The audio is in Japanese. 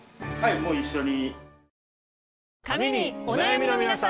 もう一緒に。